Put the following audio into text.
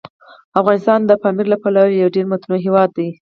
افغانستان د پامیر له پلوه یو ډېر متنوع هیواد دی.